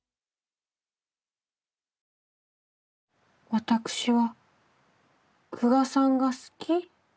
私は久我さんが好き。